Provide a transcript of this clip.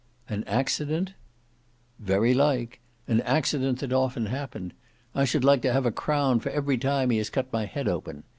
"An accident?" "Very like. An accident that often happened. I should like to have a crown for every time he has cut my head open.